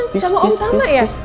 kita mau pertama ya